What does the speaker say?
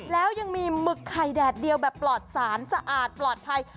แล้วยังมีหมึกไข่แดดเดียวแบบปลอดสารสะอาดปลอดภัย